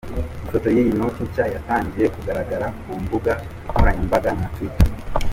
Ifoto y’iyi noti nshya yatangiye kugaragara ku mbuga nkoranyambaga nka “Twitter”.